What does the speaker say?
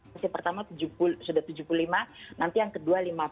masih pertama sudah tujuh puluh lima nanti yang kedua lima puluh